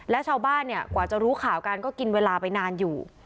แล้วชาวบ้านเนี่ยกว่าจะรู้ข่าวกันก็กินเวลาไปนานอยู่